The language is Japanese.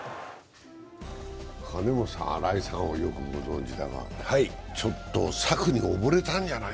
金本さん、新井さんはよくご存じだけど、ちょっと策におぼれたんじゃない？